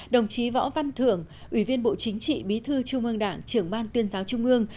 đồng chí võ văn thưởng ủy viên bộ chính trị bí thư trung ương đảng trưởng ban tuyên giáo trung ương